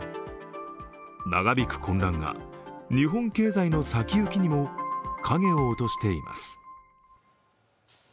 長引く混乱が日本経済の先行きにも影を落としています。